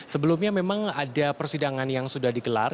sebelumnya memang ada persidangan yang sudah digelar